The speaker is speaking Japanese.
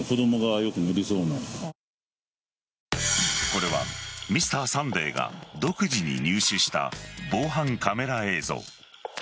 これは「Ｍｒ．サンデー」が独自に入手した防犯カメラ映像。